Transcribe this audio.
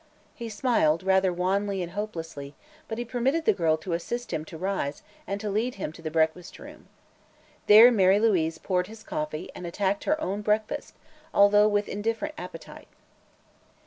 He smiled, rather wanly and hopelessly, but he permitted the girl to assist him to rise and to lead him to the breakfast room. There Mary Louise poured his coffee and attacked her own breakfast, although with indifferent appetite.